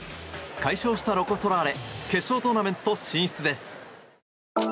快勝したロコ・ソラーレ決勝トーナメント進出です。